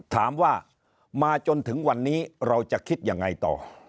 ถามว่ามาจนถึงวันนี้เราจะคิดยังไงต่อ